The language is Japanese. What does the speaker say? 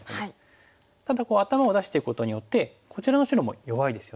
ただ頭を出していくことによってこちらの白も弱いですよね。